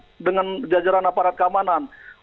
dengan jajaran aparat keamanan